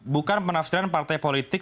bukan penafsiran partai politik